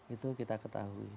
itu kita ketahui